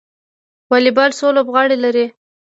والیبال څو لوبغاړي لري؟